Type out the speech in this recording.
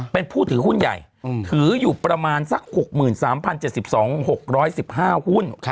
เป็นผู้ถือหุ้นใหญ่ถืออยู่ประมาณสัก๖๓๐๗๒๖๑๕หุ้น